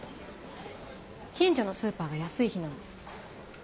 近所のスーパーが安い日なの。